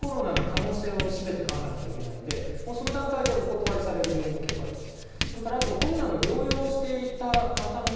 熱があると、とにかくコロナの可能性がすべて考えなくちゃいけないので、その段階でお断りされる病院もあります。